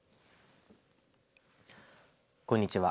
こんにちは。